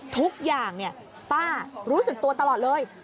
ทุกอย่างป้ารู้สึกตัวตลอดเลย